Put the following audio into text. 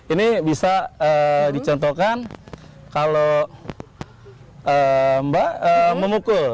ini bisa dicontohkan kalau mbak memukul